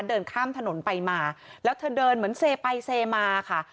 เดินข้ามถนนไปมาแล้วเธอเดินเหมือนเซไปเซมาค่ะ